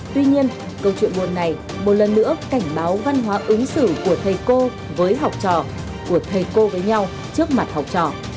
tuy nhiên câu chuyện buồn này một lần nữa cảnh báo văn hóa ứng xử của thầy cô với học trò của thầy cô với nhau trước mặt học trò